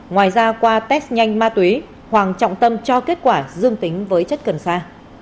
ngoài ra qua test nhanh ma túy hoàng trọng tâm cho kết quả dương tính với chất cần sa